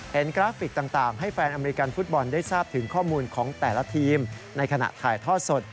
กราฟิกต่างให้แฟนอเมริกันฟุตบอลได้ทราบถึงข้อมูลของแต่ละทีมในขณะถ่ายทอดสด